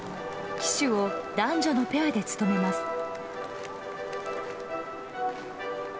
旗手を男女のペアで務めます。